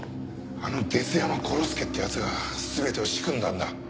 あのデス山殺助って奴が全てを仕組んだんだ。